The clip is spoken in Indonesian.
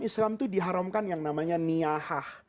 islam itu diharamkan yang namanya niahah